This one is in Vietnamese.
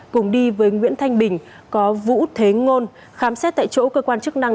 cùng đi với nguyễn thanh bình có vũ thế ngôn khám xét tại chỗ cơ quan chức năng